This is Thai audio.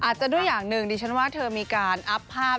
อาจจะด้วยอย่างหนึ่งดิฉันว่าเธอมีการอัพภาพ